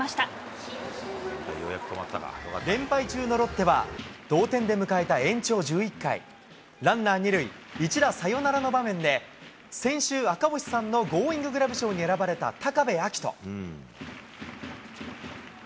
連敗中のロッテは、同点で迎えた延長１１回、ランナー２塁、一打サヨナラの場面で、先週、赤星さんのゴーインググラブ賞に選ばれた高部瑛斗。